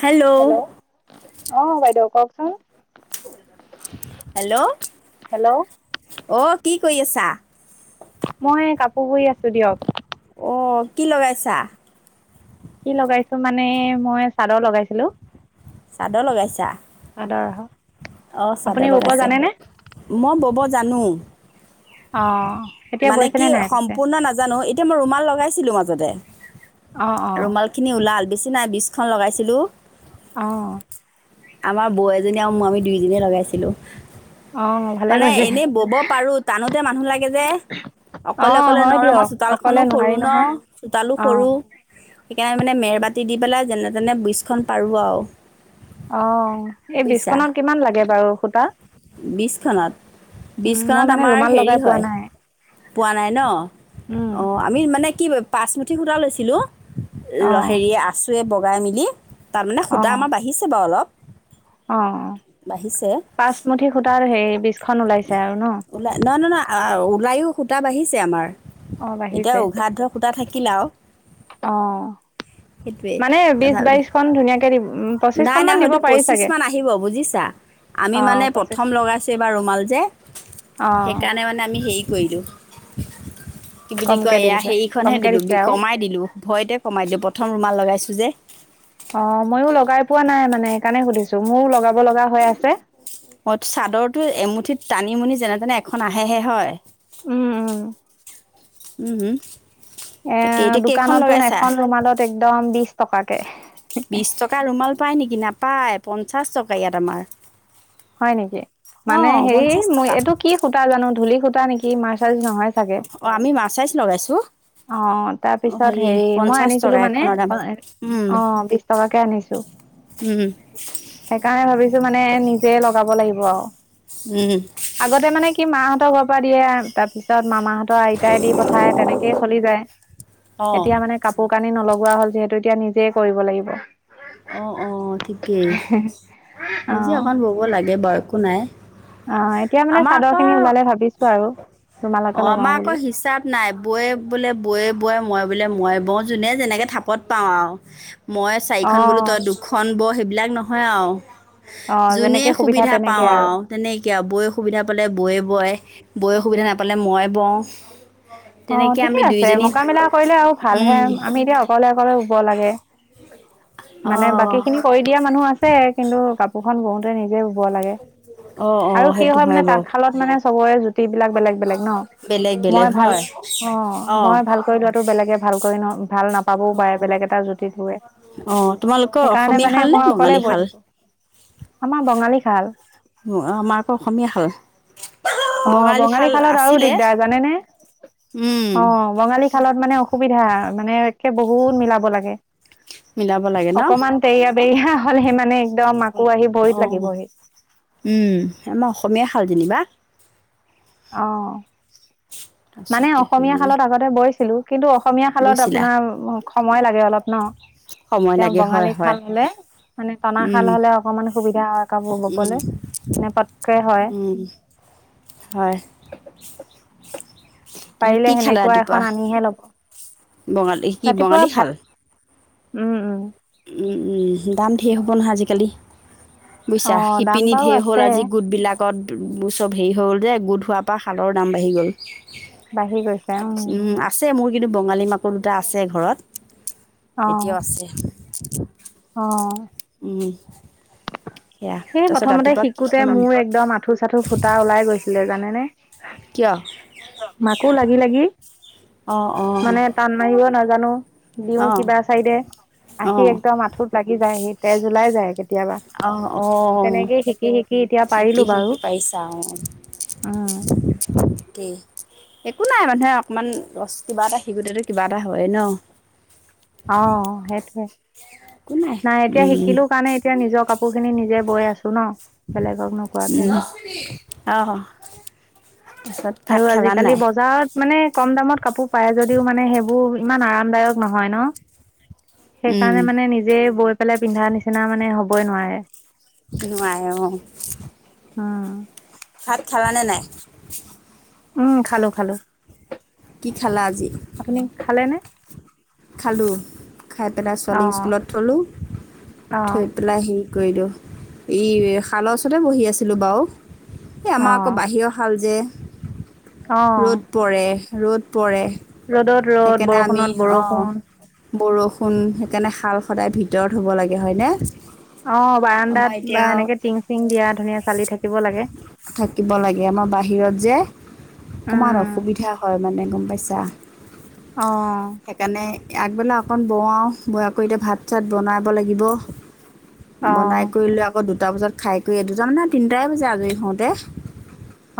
Hello অ বাইদেউ কওকচোন হেল্ল'অ হেল্ল' অ' কি কৰি আছা মই কাপোৰ বুই আছো দিয়ক অ কি লগাইছা কি লগাইছো মানে মই চাদৰ লগাইছিলো চাদৰ লগাইছা আদৰহ অ চাদৰ লগাইছে মই বব‌জা জানো অ এতিয়া মানে কি বৈছেনে নাই পিছে সম্পূৰ্ণ নাজানো এতিয়া মই ৰুমাল লগাইছিলো মাজত যতে অ অ ৰুমাল খিনি ওলাল বেছি নাই বিছ খ লগাইছিলোঁ অ আমাৰ বৌ এজনী আৰু আমি দুইজনীয়ে লগাইছিলো অ ভালে মানে কৰিলে এনেই ব'ব পাৰোঁ টানোতে মানুহ লাগে যে অ অকলে অকলে হয় নৰোঁ দিয়ক আমাৰ অকলে চোতালখনো সৰু নোৱাৰি ন নহয় চোতালো অ সৰু সেইকাৰণে মানে মেৰবাতি দি পেলাই যেনে তেনে বিছখন পাৰোঁ আৰু অ এই বুজিছা। বিচখনত কিমান লাগে বাৰু সূতা বিছখনত উ বিছখনত মই মানে আমাৰ ৰুমাল হেৰি লগাই পোৱা হয় নাই পোৱা নাই ন উম অঁ আমি মানে কি পাচমুঠি সূতা লৈছিলোঁ অ হেৰিয় আছোয়ে বগ বাই মিলি তাৰমানে অ সূতা‌ আমাৰ বাঢ়িছে বাৰু অলপ অ বাঢ়িছে পাঁচমুঠি সুতাৰ হে বিছ খ ওলাইছে আৰু ন অ, 'ওলায়ো সূতা বাঢ়িছে আমাৰ। অ এতিয়া বাঢ়িছে উঘাত ধৰ খুতা থাকিলা আৰু অ সেইটোৱেই মানে বিশ তথাপিত বাইশখন ধুনীয়াকে দি নাই পঁচিশখন নাই মান দিব হয়তো পাৰি পঁচিশ চাগে। মান আহিব বুজিছা। আমি অ মানে প্ৰথম পঁচিছখন লগাইছো এইবাৰ ৰুমাল অ', সেইকাৰণে মানে আমি হেৰি কৰিলো। [inaudible] কি বুলি কমকে কয় এয়া দিছে হেৰিখনহে কমকে দিলো দিছে আৰু কমাই দিলো ভয়তে কমাই দিলো প্ৰথম ৰুমাল, লগাইছো যে। অ ময়ো লগাই পোৱা নাই সেইকাৰণে সুধিছো মোৰো লগাব লগা হৈ আছে। মই চাদৰটো এমুঠিত টানিমুনি যেনে তেনে এখন আহেহে হয়। উম উম উম হম এ দোকানতোন এখন ৰুমালত, একদম বিশ টকাত কে বিশ টকা ৰুমাল পায় নেকি? নাপায় পঞ্চাশ টকা ইয়াত আমাৰ। হয় নেকি মানে অঁ হেৰি পঞ্চাছ মই টকা এইটো কি সূতা জানো ধূলি সূতা নেকি? কি মাছাজ নহয়। অঁ আমি মাৰ্চাইজ লগাইছোঁ অ অঁ তাৰপিছত হেৰি মই পঞ্চাছ আনিছিলো টকা মানে এখনৰ দাম অ বিশ টকাকে আনিছো সেইকাৰণে ভাবিছো। মানে নিজ লগাব লাগিব আৰু আগতে মানে কি মাহ কব দিয়ে তাৰ পিছত মামাহঁতৰ আইতাই দি পঠায়। তেনেকেই চলি যায় অঁ এতিয়া মানে কাপোৰ কানি নলগোৱা হ'ল যিহেতু এতিয়া নিজেই কৰিব লাগিব। অ অ ঠিকেই অ নিজে অকণ ব ক লাগে বয়কো নাই। অ এতিয়া মানে আমাৰ চাদৰ আকৌ খিনি ওলালে ভাবিছো আৰু অ ৰুমালকে লগাও আমাৰ আকৌ বুলি হিচাপ নাই বৈয়ে বোলে বৈ বয়ে মই বোলে মই ব যোনে যেনেকে থাপত পাওঁ আৰু মই খ অ বো তই দুখন ব বিলাক নহয় আৰু অ যোনে যেনেকে সুবিধা পাও তেনেকে আৰু তেনেকে আৰু বৈ সুবিধা পালে বৈ বয় বৈ সুবিধা নাপালে মই বওঁ অ তেনেকৈ ঠিকে আমি আছে দুইজনী মকা মেলা কৰিলে আৰু ভালহে আমি এতিয়া অকলে অকলে ৰুব লাগে মানে অঁ বাকী খিনি কৰি দিয়া মানুহ আছে কিন্তু। এখন বোতে নিজে ল অঁ আৰু অঁ কি সেইটো হয় মানে বাৰু তাঁতশালত মানে চবৰে জুতি বিলাক বেলেগ বেলেগ ন বেলেগ মই বেলেগ ভাল হয় অ অঁ মই ভাল কৰি লোৱাটো বেলেগে ভাল কয় ন। ভাল নাপাবওঁ পাৰে অঁ বেলেগ এটা জুতি শুলে। অঁ তোমালোকৰ সেইকাৰণে অসমীয়া মানে শাল নে মই অকলে বঙালী গৈ শাল থাকোঁ। আমাৰ বঙালী খন আমাৰ আকৌ অসমীয়া শাল আহ বঙালী শাল খালত আৰু আছিলে দিগদাৰ জানেনে। অ উম বঙালী খালত মানে- সুবিধা মানে কে বহুত মিলাব লাগে। মিলাব লাগে ন অকমান তেইয়া বেইয়া। হ'লহে মানে। একদম আকৌ আহি ভৰিত অ লাগিবহি উম আমাৰ অসমীয়া শাল যেনিবা। অহ মানে তাৰপিছতে অসমীয়া হেৰি শালত আগতে বৈছিলোঁ। কিন্তু অসমীয়া শালত বৈছিলা আপোনাৰ। সময় লাগে অলপ ন। সময় তেওঁ লাগে হয় বঙালী হয় খাল হ'লে মানে টনা উম শাল হ'লে অকমান। সুবিধা হয়। কাবোৰ উম ববলৈ নেপতকে হয়। উম হয়। তাৰপিছত পাৰিলে কি খালা সেনেকুৱা ৰাতিপুৱা এখন আনিহে ল'ব। বঙালী কি ৰাতিপুৱা বঙালী ভাত শাল। উম উম। দাম ঢেৰ হ'ব নহয় আজিকালি। অ বুইছা দাম শিপিনী বাৰু ধেয় হ'ল আছে আজি গোটবিলাকত। চব হেৰি হৈ গ'ল যে গোধ হোৱা পা শালৰ দাম বাঢ়ি গ'ল। বাঢ়ি গৈছে উম। ছে মোৰ কিন্তু বঙালী মাকুৰ দুটা আছে ঘৰত। অ এতিয়াও আছে। [unintelligible] অ। উম। সেয়া সেই তাৰপিছত প্ৰথমতে ৰাতিপুৱা কি শিকোতে উম, মোৰ একদম আঁঠু চাঠু ফুটা ওলাই গৈছিলে জানেনেে। কিয় মাকো লাগি লাগি। অ অ। নাজানোঁ। দিওঁ অঁ কিবা চাইডে আহি অঁ একদম আঁঠুত লাগি যায় সি তেজ ওলাই যায় কেতিয়াবা। অ তেনেকেই শিকি শিকি এতিয়া পাৰিলো শিকি বাৰু শিকি পাৰিছা অ উম দেই। একো নাই মানুহে অকমান লছ কিবা এটা শিকোতেতো কিবা এটা হয়ে ন অ সেইটোৱে নাই এতিয়া শিকিলো কাৰণে এতিয়া নিজৰ কাপোৰ খিনি নিজে গৈ আছো ন বেলেগক নোকোৱাকে অহ আৰু আজিকালি বজাৰত মানে কম দামত কাপোৰ পায় যদিও মানে সেইবোৰ ইমান আৰামদায়ক নহয় ন উম, সেইকাৰণে মানে নিজে বৈ পেলাই পিন্ধা নিচিনা মানে হ'বই নোৱাৰে নোৱাৰে অ উম ভাত খালা নে নাই উম খালো খালো কি খালা আজি আপুনি খালেনে খালোঁ খাই পেলাই অ ছোৱালীক স্কুলত থলোঁ অ থৈ পেলাই হেৰি কৰি দিওঁ ই শালৰ ওচতে বহি আছিলোঁ বাও এই আমাৰ অ আকৌ বাহিৰৰ শাল যে অ ৰ'দ পৰে ৰ'দ পৰে ৰ'দত ৰ'দ সেইকাৰণে আমি বৰষুণত অহ বৰষুণ বৰষুণ সেইকাৰণে শাল সদায় ভিতৰত হ'ব লাগে হয়নে অ আমাৰ বাৰাণ্ডাত বা এতিয়া এনেকে টিং চিং দিয়া ধুনীয়া চালি থাকিব লাগে থাকিব লাগে আমাৰ বাহিৰত যে অকণমান অসুবিধা হয় মানে গম পাইছা অহ সেইকাৰণে আগবেলা অকণ বোৱাওঁ বোৱা কৰি এতিয়া ভাত চাত বনাব লাগিব অ বনাই অ কৰিলো আকৌ দু টা বজাত খাই কৰি দুটা মানে আও তিনটাই বাজ আজৰি হও তে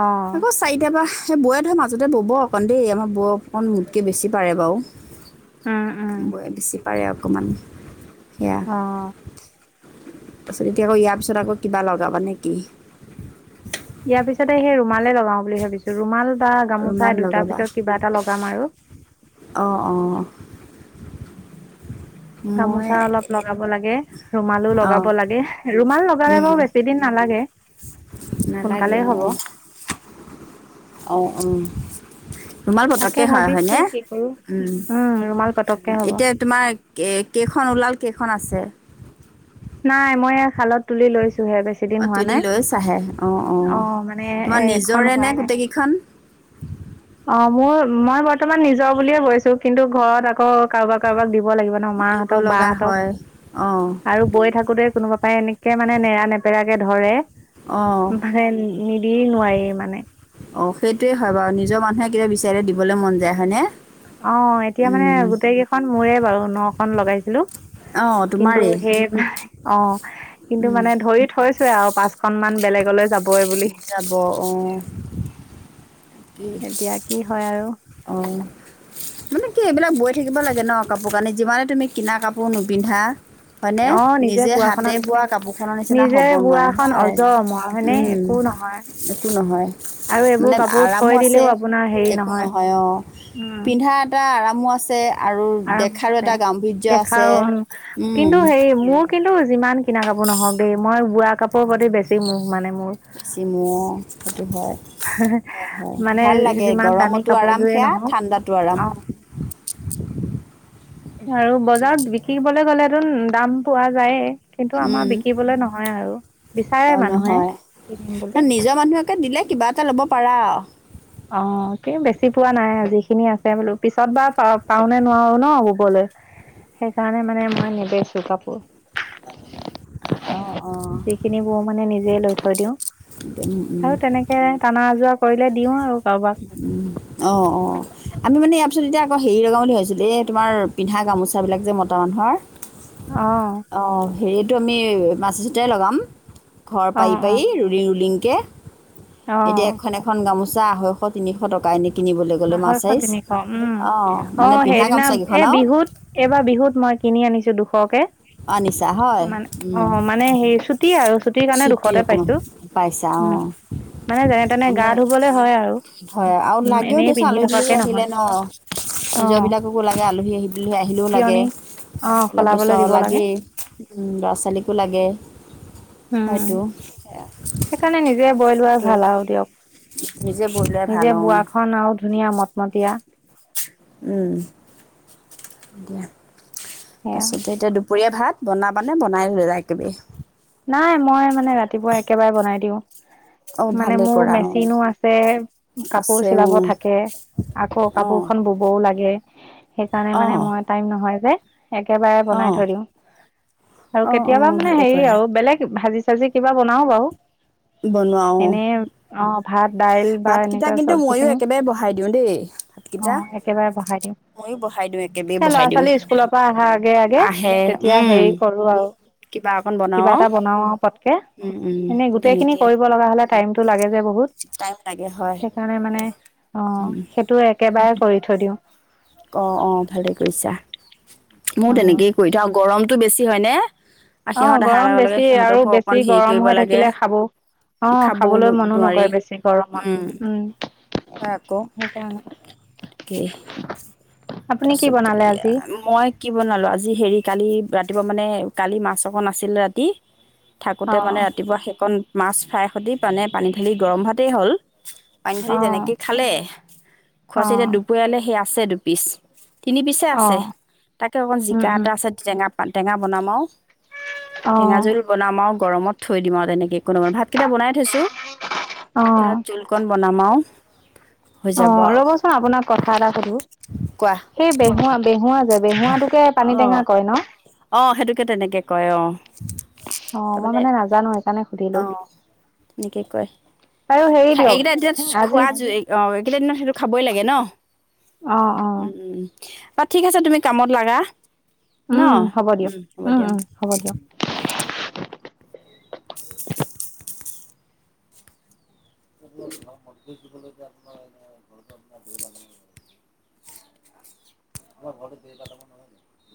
অ আকৌ চাৰিটা পা সেই বৌৱে ধৰা মাজতে ব'ব অকণ দেই আমাৰ বৌ অকণ মোতকে বেছি পাৰে বাও উম উম বৌয়ে বেছি পাৰে আও অকমান অ তাৰপিছত এতিয়া আকৌ ইয়াৰ পিছত আকৌ কিবা লগাবা নে কি? ইয়াৰ পিছতে সেই ৰুমালে লগাও বুলি ভাবিছো ৰুমাল। বা গামোচা ৰুমাল দুটাৰ লগাবা ভিতৰত কিবা এটা লগাম আৰু অঁ অঁ মই গামোচা অলপ লগাব লাগে ৰুমালো অঁ লগাব লাগে ৰুমাল লগালে বাৰু উম বেছি দিন নালাগে নালাগে সোনকালেই হব। অ উ ৰুমাল তাকে পতকে হয় ভাবিছো হয়নে? কি কৰো উ উম ৰুমাল পতককে হ'ব এতিয়া তোমাৰ কেইখন ওলাল কেইখন আছ? যে নাই মই শালত তুলি লৈছোহে বেছি দিন অ হোৱা তুদি নাই লৈ চাহে অ অ। মানে তোমাৰ এ এখন নিজৰে নে হোৱাই নাই গোটেই কেইখন? অ মোৰ মই বৰ্তমান নিজৰ বুলিয়ে বৈছো কিন্তু ঘৰত আকৌ কাৰোবাক কাৰোবাক দিব লাগিব নহ দিব মাহঁতক লগা বাহঁতক হয় অঁ আৰু বৈ থাকোতে কোনোবা পায় এনে কে মানে নেৰা নেপেৰাকে ধৰে। অঁ ভালে নিদ- দি নোৱাৰি মানে। অ সেইটোৱেই হয় বাৰু নিজৰ মানুহে কিবা বিচাৰিলে দিবলৈ মন যায় হয়নে? অ এতিয়া মানে উম গোটেই কেইখন মোৰে বাৰু নখন লগাইছিলো অঁ কিন্তু তোমাৰেই সে অ, কিন্তু উম মানে ধৰি থৈছোঁ। আৰু পাঁচখনন মান বেলেগলৈ যাব- যাব অ এতিয়া কি হয় আৰু অ মানে কি এইবিলাক বৈ থাকিব লাগে ন কাপোৰ কানি যিমানে তুমি কিনা কাপোৰ নিপিন্ধা। হয়নে অ নিজে হাতে বোৱাখনৰ নিচিনা বোৱা কাপোৰখনৰ নিচিনা নিজে হ'ব নোৱাৰে বোৱাখন হয়, অজৰ অমৰ হয়নে উম একো নহয় একো নহয় আৰু এইবোৰ মানে- কাপোৰ আৰামো থৈ আছে দিলেও আপোনাৰ হেৰি একো নহয় অ পিন্ধা এটা আৰাম মো আছে আৰু আৰাম দেখাৰো আছে এটা গাম্ভীৰ্য আছে দেখাও উম, কিন্তু সেই মোৰ কিন্তু যিমান কিনা কাপোৰ নহওক দেই মই বোৱা কাপোৰৰ প্ৰতি বেছি মুখ মানে মোৰ। চিম' হয় হয় হয় মানে ভাল লাগে যিমান দামী গৰমতো আৰাম কাপোৰযোৰে সেয়া নহওক ঠাণ্ডাতো আৰাম। অ আৰু বজাৰত বিক্ৰী কবলৈ গ'লে টোন দাম পোৱা যায়। কিন্তু আমাৰ উম, বিকিবলৈ নহয় আৰু বিচাৰে অঁ মানুহে নহয় কিনিম ন, বুলি। নিজৰ মানুহকে দিলে কিবা এটা ল'ব পাৰা। অ কি বেছি পোৱা নাই যিখিনি আছে বোলো পিছত বা পা পাও নে নোৱাৰো ন ববলৈ সেইকাৰণে মানে মই নেবেচো কাপোৰ। অঁ অঁ যিখিনি বও মানে নিজে লৈ থৈ দিওঁ উম, উম আৰু তেনেকে টানা আজোৰা পাৰিলে দিওঁ আৰু। [inaudible] উ অ'- অ' আমি মানে ইয়াৰ পিছত এতিয়া আকৌ হেৰি লগাওঁ বুলি ভাবিছিলো এ তোমাৰ পিন্ধা গামোচা বিলাক যে মতা মানুহৰ। অ ' অঁ হেৰিটো আমি মাছছতোই লগাম। ঘৰ পাই অ', পাই অ', ৰুলিং ৰুলিং একে এতিয়া অ', এখন- এখন গামোচা আহৈ তিনিশ টকা নেকি? আহৈশ তিনিশ উম অঁ অ' মানে পিন্ধা সেইদিনা গামোচাকেইখন এ আৰু বিহুত এইবাৰ বিহুত মই কিনি আনিছো। দুশকে অঁ নিছা হয় মানে উম, অ' মানে সেই ছুটি আৰু চুটিৰ কাৰণে চুটি দুখতে অকণমান পাইছো পাইছা উম অঁ মানে যেনে তেনে গা মানে -ধুবলে হয় আৰু হয় আৰু উ লাগেও এনেই দিয়াচোন পিন্ধি আলহী দুলহী থকাকে আহিলে নহয় ন অ', নিজৰবিলাককো আলহী দুলহি আহিলেওলাগে। তিয়নি অ', সলাবলৈ দিব লাগে লাগেই ল'ৰা ছোৱালীকো লাগে। উম, হয়তো সেইকাৰণে নিজে বৈ লোৱাই তাকেই ভাল আৰু নিজে বৈ লোৱাই দিয়ক। ভাল নিজে অ বোৱা খন আৰু ধুনীয়া। ধুনীয়া মতমতীয়া। উম, দিয়া। সেয়া তাৰপিছতে এতিয়া দুপৰীয়া দুপৰীয়া ভাত বনাবানে বনাই লৈ যায় একেবাৰে। নাই মই মানে ৰাতিপুৱা একেবাৰে বনাই অ দিওঁ। মানে ভালেই মোৰ কৰা অ মেচিনো আছে কাপোৰ আছে চিলাব থাকে আকৌ অ কাপোৰখন ববও লাগে। সেইকাৰণে অ অ মানে মই টাইম নহয় যে একেবাৰে অ বনাই থৈ দিওঁ আৰু অ অ কেতিয়াবা মানে ভালে হেৰি কৰা আৰু। ভাজি চাজি কিবা বনাও বাৰু। বনোৱা অ এনেই অ' ভাত দাইল বা ভাতকেইটা এনেকুৱা কিন্তু সব্জি ময়ো খিনিও একেবাৰে বহাই দিওঁ দেই ভাতকেইটা অ' একেবাৰে বহাই দিওঁ, ময়ো বহাই দিওঁ একেবাৰে এ ল'ৰা বহাই দিওঁ ছোৱালী স্কুলৰ পৰা অহা আগে আগে আহে তেতিয়া উম হেৰি কৰো আৰু কিবা অকণ কিবা এটা বনাও আৰু পটকে উম উম এনে গোটেইখিনি তেনেকে কৰিব লগা হলে টাইমতটো লাগে যে বহুত টাইম লাগে হয় সেইকাৰণে মানে অ' সেইটো একেবাৰে কৰি থৈ দিওঁ। অ' অ' ভালেই কৰিছা। ময়ো অ তেনেকেই কৰি থাওঁ গৰম। টো বেছি হয় নে? অ গৰম বেছি আৰু অকণ বেছি হেৰি গৰম কৰিব হৈ লাগে থাকিলে খাব অ খাবও খাবলৈ মনো নোৱাৰি নকৰে বেছি গৰমত উম, হয় আকৌ সেইকাৰণে তাকেই আপুনি কি তাৰছতে বনালে আজি মই কি বনালো আজি হেৰি কালি। ৰাতিপুৱা মানে কালি মাছ অকণ আছিল ৰাতি। অ থাকোঁতে মানে ৰাতিপুৱা সেইকণ মাছ ফ্ৰাই সৈতে পানে পানী ঢালি গৰম ভোৱাতেই হ'ল পানধৰি অ তেনেকে। খালে অ খচ এতিয়া দুপৰীয়ালে সেই আ আছেডু পিছ তিনি পিছে অ আছে তাকে অকণ উম জিকা উম এটা আছে টেঙা টেঙা বনাম আওঁ। অ টেঙা জোল বনামা আৰু গৰমত থৈ দিম আৰু তেনেকৈ কোনোবা ভাত কেইটা বনাই থৈছো অ তাহত জোল কন বনামাও অ অ ৰ'বচোন আপোনাক কথা এটা সুধো সেই বেহুৱা বেহুৱা জেগা হ অ অ সেইটোকে তেনেকে কয় অ অ মই তাৰমানে মানে নাজানো সেইকাৰণে অ সুধিলো তেনেকে কয় আৰু হেৰি দিয়ক এইকেইটা এতিয়া আজি খোৱা যো অ কেইটা দিনত সেইটো খাবই লাগে ন অ অ উম অ ঠিক আছে তুমি কামত লগা ন উম হ'ব দিয়ক হ'ব উম দিয়া উম হ'ব দিয়ক ত ন মত বোলে আমাৰ ঘ ল। আমাৰ ঘৰ দ কম।